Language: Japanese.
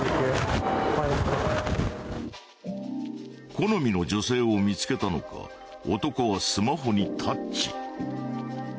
好みの女性を見つけたのか男はスマホにタッチ。